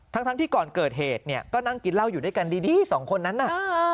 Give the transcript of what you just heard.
ทั้งทั้งที่ก่อนเกิดเหตุเนี่ยก็นั่งกินเหล้าอยู่ด้วยกันดีสองคนนั้นน่ะ